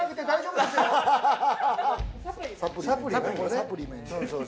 サプリメント。